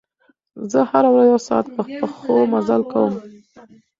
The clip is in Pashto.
زه هره ورځ یو ساعت په پښو مزل کوم.